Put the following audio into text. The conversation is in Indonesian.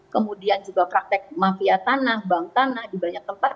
kemudian juga praktek mafia tanah bank tanah di banyak tempat